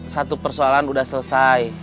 satu persoalan udah selesai